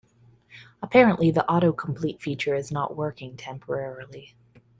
Apparently, the autocomplete feature is not working temporarily.